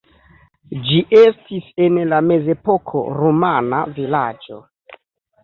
Ĝi estis en la mezepoko rumana vilaĝo.